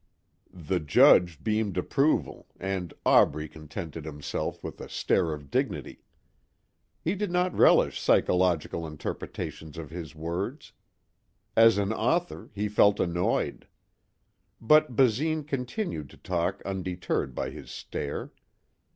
The judge beamed approval and Aubrey contented himself with a stare of dignity. He did not relish psychological interpretations of his words. As an author, he felt annoyed. But Basine continued to talk undeterred by his stare.